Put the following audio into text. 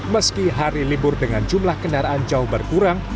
meski hari libur dengan jumlah kendaraan jauh berkurang